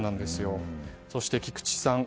そして菊地さん